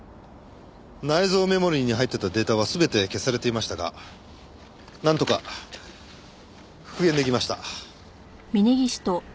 内蔵メモリーに入ってたデータは全て消されていましたがなんとか復元出来ました。